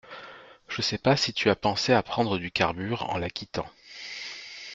Je sais pas si tu as pensé à prendre du carbure en la quittant